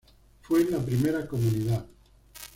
Fue la primera comunidad.